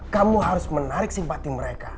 kamu harus menarik simpati mereka